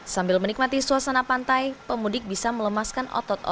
sambil menikmati suasana pantai pemudik bisa melemaskan otot otot